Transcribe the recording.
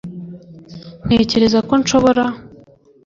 ntekereza ko nshobora